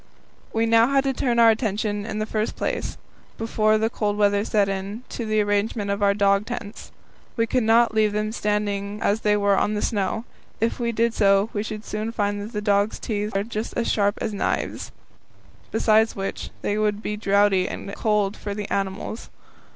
We now had to turn our attention in the first place, before the cold weather set in, to the arrangement of our dog tents. We could not leave them standing as they were on the snow; if we did so, we should soon find that dogs' teeth are just as sharp as knives; besides which, they would be draughty and cold for the animals.